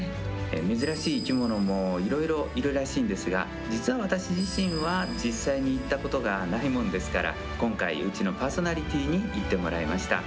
珍しい生き物もいろいろいるらしいんですが実は私自身は実際に行ったことがないもんですから今回、うちのパーソナリティーに行ってもらいました。